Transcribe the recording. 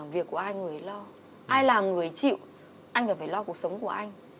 vậy là gia đình chị đang êm ấm